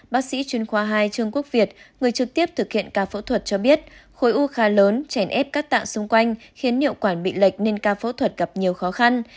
bác sĩ chuyên khoa hai trương quốc việt người trực tiếp thực hiện ca phẫu thuật cho biết khối u khá lớn chèn ép các tạng xung quanh khiến hiệu quản bị lệch nên ca phẫu thuật gặp nhiều khó khăn